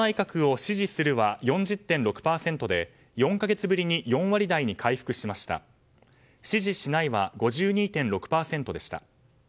「支持しない」は５２．６％でした。